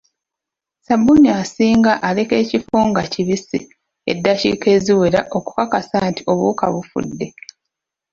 Ssabbuni asinga aleka ekifo nga kibiisi edakiika eziwela okukakasa nti obuwuka bufudde.